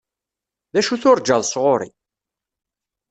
D acu turǧaḍ sɣuṛ-i?